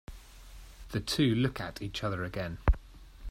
The two look at each other again.